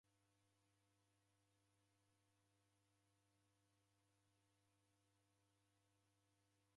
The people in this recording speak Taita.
W'alimu na w'avi w'akwanyika skulu idime